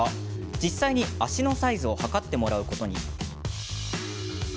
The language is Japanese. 実際に、足のサイズを測ってもらうことに。